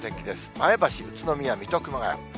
前橋、宇都宮、水戸、熊谷。